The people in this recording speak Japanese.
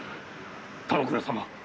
田之倉様